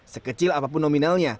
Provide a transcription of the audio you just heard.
sekecil apapun nominalnya